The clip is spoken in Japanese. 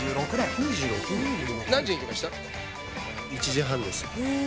１時半です。